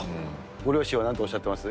ご両親はなんとおっしゃってます？